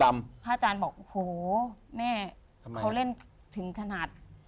พระอาจารย์บอกโอ้โหแม่เขาเล่นถึงขนาด